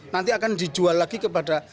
nanti akan dijual lagi kepada